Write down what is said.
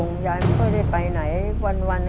คุณยายแจ้วเลือกตอบจังหวัดนครราชสีมานะครับ